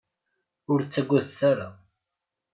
Ur ttagadet ara!